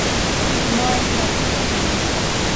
No hay doctrina.